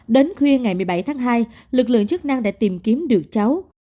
đến khuya ngày một mươi bảy tháng hai lực lượng chức năng đã tìm kiếm được cháu